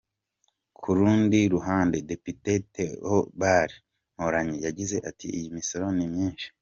Ku rundi ruhande Depite Theobald Mporanyi yagize ati “Iyi misoro ni myinshi.